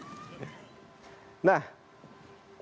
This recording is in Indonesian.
yang ini juga penting banget